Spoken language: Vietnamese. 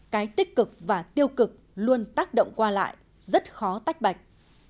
cái tích cực và tiêu cực luôn tác động qua lại rất khó tách bạch